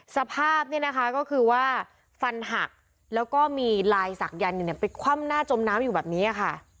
สภาพก็คือว่าฟันหักแล้วก็มีลายสักยันไหนไปคว่ำหน้าจมน้ำอยู่แบบนี้ค่ะ